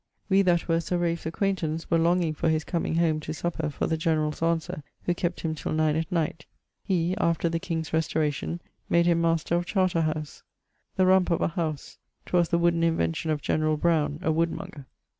We that were Sir Ralph's acquaintance were longing for his coming home to supper for the generall's answer, who kept him till 9 at night. He, after the king's restauration, made him Master of Charter howse. [XXX.] the Rumpe of a Howse: 'twas the wooden invention of generall Browne (a woodmonger).